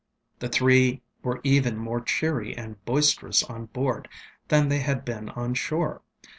The three were even more cheery and boisterous on board than they had been on shore.